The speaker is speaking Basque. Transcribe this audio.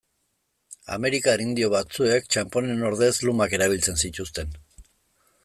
Amerikar indio batzuek txanponen ordez lumak erabiltzen zituzten.